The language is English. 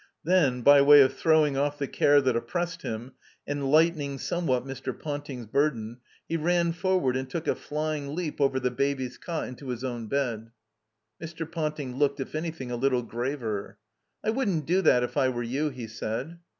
Then, by way of throwing oflf the care that oppressed him, and lightening somewhat Mr. Ponting's burden, he ran forward and took a flying leap over the Baby's cot into his own bed. Mr. Ponting looked, if anything, a little graver. I wouldn't do that, if I were you," he said.